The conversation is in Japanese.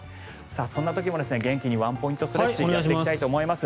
そんな時も元気にワンポイントストレッチやっていきたいと思います。